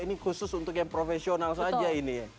ini khusus untuk yang profesional saja ini ya